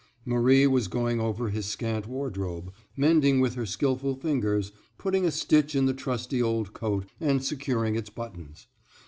Marie was going over his scant wardrobe, mending with her skilful fingers, putting a stitch in the trusty old coat, and securing its buttons.